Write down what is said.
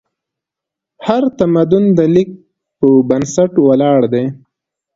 هر تمدن د لیک په بنسټ ولاړ دی.